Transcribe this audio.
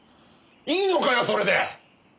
いいのかよそれで？